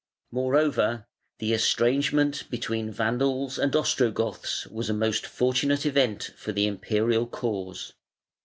Moreover, the estrangement between Vandals and Ostrogoths was a most fortunate event for the Imperial cause.